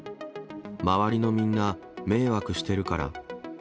周りのみんな、迷惑してるから。